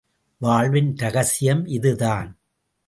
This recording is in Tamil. வாழ்வின் ரகசியம் இதுதான்.